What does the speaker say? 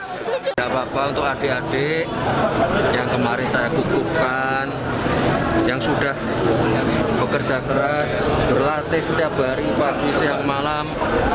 tidak apa apa untuk adik adik yang kemarin saya kukuhkan yang sudah bekerja keras berlatih setiap hari pagi siang malam